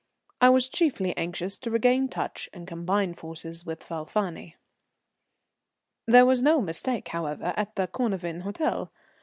I was chiefly anxious to regain touch and combine forces with Falfani. There was no mistake, however, at the Cornavin Hôtel.